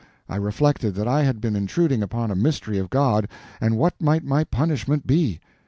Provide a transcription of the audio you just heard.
I reflected that I had been intruding upon a mystery of God—and what might my punishment be?